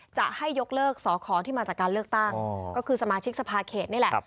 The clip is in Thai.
จะให้ยกเลิกสอขอที่มาจากการเลือกตั้งก็คือสมาชิกสภาเขตนี่แหละ